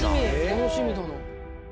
楽しみだな。